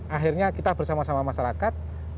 akhirnya kita bersama sama masyarakat